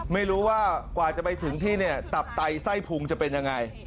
ไม่รู้ว่ากว่าจะไปถึงที่เนี่ยตับไตไส้พุงจะเป็นยังไง